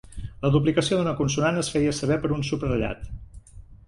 La duplicació d'una consonant es feia saber per un subratllat.